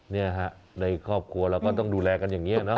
นี่ฮะในครอบครัวเราก็ต้องดูแลกันอย่างนี้นะ